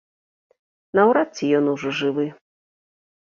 Наўрад ці ён ужо жывы.